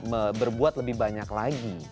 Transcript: bagaimana kita bisa berbuat lebih banyak lagi